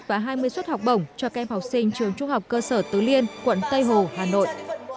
và hai mươi suất học bổng cho các em học sinh trường trung học cơ sở tứ liên quận tây hồ hà nội